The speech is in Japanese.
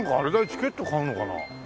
チケット買うのかな？